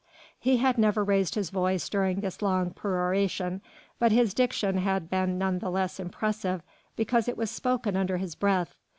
He had never raised his voice during this long peroration, but his diction had been none the less impressive because it was spoken under his breath.